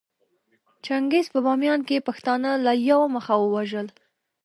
چنګېز په باميان کې پښتانه له يوه مخه ووژل